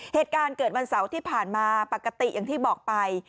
เหตุการณ์เกิดวันเสาร์ที่ผ่านมาปกติอย่างที่บอกไป